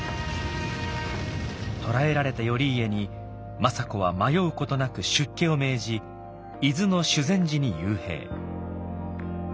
捕らえられた頼家に政子は迷うことなく出家を命じ伊豆の修禅寺に幽閉。